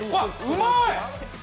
うまい！